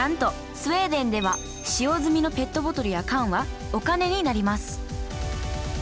スウェーデンでは使用済みのペットボトルや缶はお金になります！